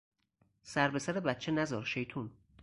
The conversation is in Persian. سر به سر بچه نذار، شیطون!